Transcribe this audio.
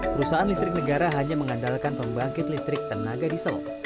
perusahaan listrik negara hanya mengandalkan pembangkit listrik tenaga diesel